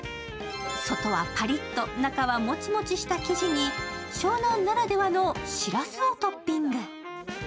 外はパリっと中はもちもちした生地に湘南ならではのしらすをトッピング。